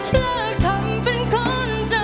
เลิกทำเป็นคนเจ้าน้ำตา